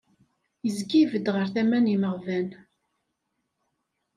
Izga ibedd ɣer tama n yimaɣban.